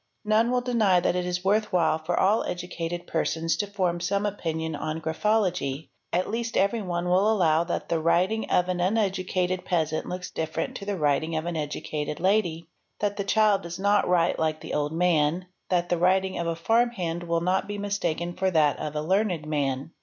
None will deny that it is worth while for all educate persons to form some opinion on graphology. At least everyone wi allow that the writing of an uneducated peasant looks different to th writing of an educated lady, that the child does not write lke the ol man, that the writing of a farmhand will not be mistaken for that | a learned man.